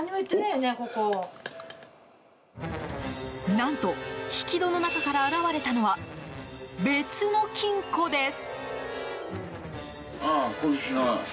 何と、引き戸の中から現れたのは別の金庫です。